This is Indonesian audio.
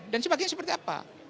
dan sebagainya seperti apa